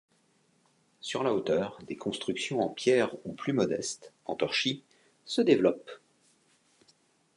Sur la hauteur, des constructions en pierre ou plus modestes, en torchis, se développent.